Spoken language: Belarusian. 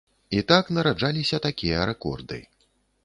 І так нараджаліся такія рэкорды.